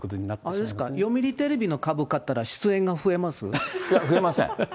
あれですか、読売テレビの株買ったら出演が増えます？